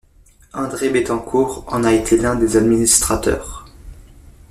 André Bettencourt en a été l'un des administrateurs.